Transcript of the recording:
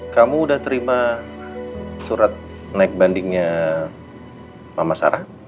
kamu udah terima surat naik bandingnya mama sarah